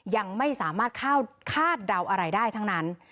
ยังไม่สามารถคาดเดาอะไรได้ทั้งนั้น